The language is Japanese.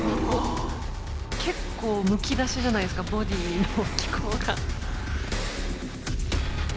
結構むき出しじゃないですかボディーの機構が。